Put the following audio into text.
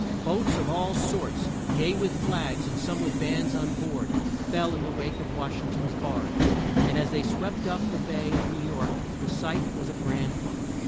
Boats of all sorts, gay with flags, and some with bands on board, fell in the wake of Wash ing ton's barge, and as they swept up the bay of New York the sight was a grand one.